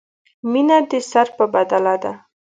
مینه دې سر په بدله ده.